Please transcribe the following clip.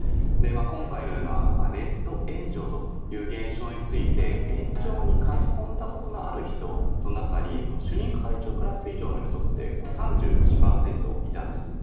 今回のようなネット炎上という現象について炎上に書き込んだことのある人の中に主任・係長クラス以上の人って３１％以上いたんですね。